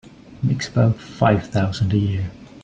Makes about five thousand a year.